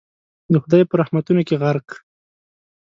د خدای په رحمتونو کي غرق